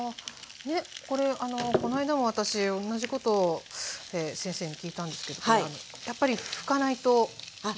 これこの間も私同じことを先生に聞いたんですけどやっぱり拭かないと駄目ですか？